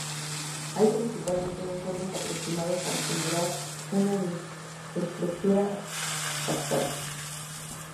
Hay principalmente dos formas aproximadas para generar una estructura fractal.